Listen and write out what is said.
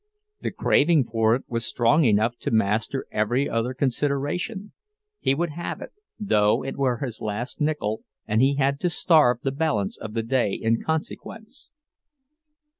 The craving for it was strong enough to master every other consideration—he would have it, though it were his last nickel and he had to starve the balance of the day in consequence.